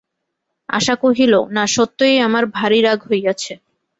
আশা কহিল, না সত্যই আমার ভারি রাগ হইয়াছে।